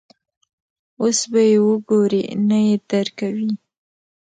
اوس به یې وګورې، نه یې درکوي.